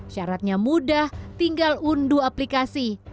syaratnya mudah tinggal unduh aplikasi